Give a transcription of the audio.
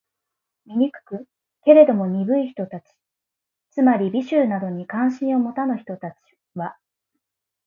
醜く？けれども、鈍い人たち（つまり、美醜などに関心を持たぬ人たち）は、